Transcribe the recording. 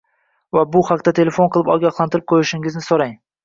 va bu haqda telefon qilib ogohlantirib qo‘yishini so‘rang.